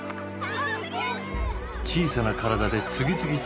小さな体で次々とトライ。